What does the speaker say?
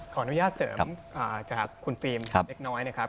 ขออนุญาตเสริมจากคุณฟิล์มเล็กน้อยนะครับ